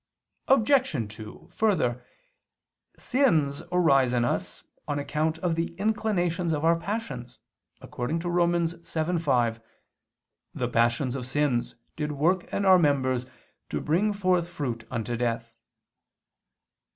Obj. 2: Further, sins arise in us on account of the inclinations of our passions, according to Rom. 7:5: "The passions of sins ... did work in our members to bring forth fruit unto death."